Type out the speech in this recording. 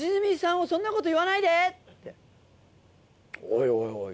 「おいおいおい！」。